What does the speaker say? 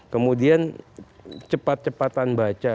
kemudian cepat cepatan baca